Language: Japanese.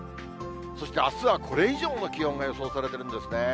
そしてあすはこれ以上の気温が予想されているんですね。